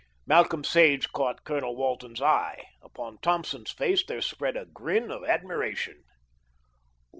Malcolm Sage caught Colonel Walton's eye. Upon Thompson's face there spread a grin of admiration.